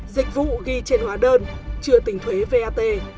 dịch vụ ghi trên hóa đơn trừ tỉnh thuế vat